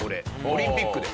オリンピックで。